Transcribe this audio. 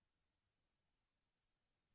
belum booster lagi